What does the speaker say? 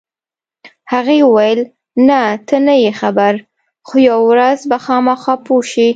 هغې وویل: نه، ته نه یې خبر، خو یوه ورځ به خامخا پوه شې.